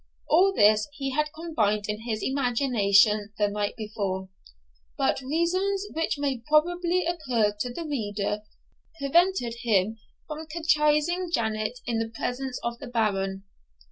All this he had combined in his imagination the night before; but reasons which may probably occur to the reader prevented him from catechising Janet in the presence of the Baron.